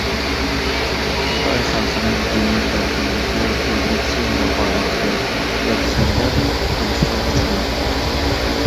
خىتاي خەلقىنىڭ دىنىي ئەركىنلىكى ئۈزلۈكسىز رىقابەتكە، دەپسەندە قىلىشقا ئۇچرىماقتا.